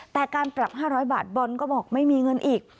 แต่การปรับ๕๐๐บาทบอลก็บอกไม่มีเงินอีก